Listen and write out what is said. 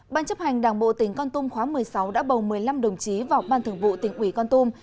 ban chấp hành đảng bộ tỉnh con tum khóa một mươi sáu đã bầu một mươi năm đồng chí vào ban thường vụ tỉnh ủy con tum